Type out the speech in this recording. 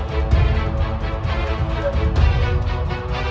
yêu cầu anh nguyễn di lâm